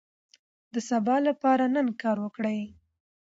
د سبا لپاره نن کار وکړئ.